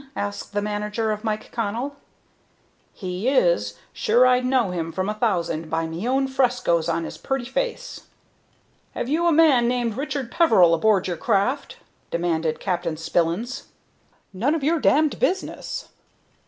asked the manager, of Mike Connell. "He is. Sure I'd know him from a thousand by me own frescos on his purty face." "Have you a man named Richard Peveril aboard your craft?" demanded Captain Spillins. "None of your d d business."